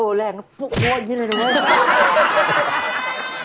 เออแรงพวกโง่อย่างนี้เลย